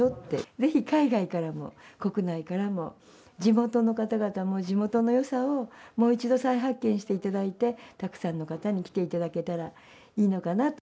ぜひ海外からも国内からも地元のかたがたも地元のよさをもう一度再発見していただいてたくさんの方に来ていただけたらいいのかなと。